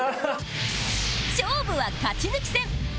勝負は勝ち抜き戦